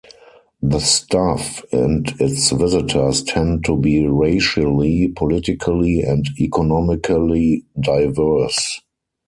The staff and its visitors tend to be racially, politically, and economically diverse.